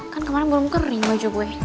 kan kemarin belum kering baju gue